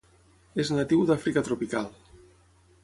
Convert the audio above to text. És natiu d'Àfrica tropical.